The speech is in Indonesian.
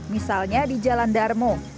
misalnya di jalan darmo